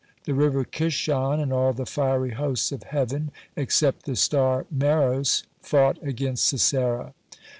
The river Kishon and all the fiery hosts of heaven (81) except the star Meros (82) fought against Sisera.